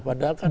padahal kan itu